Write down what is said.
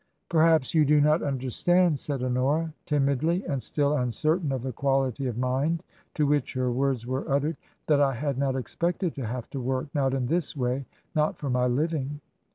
*' Perhaps you do not understand," said Honora, tim idly, and still uncertain of the quality of mind to which her words were uttered, "that I had not expected to have to work — not in this way — not for my living."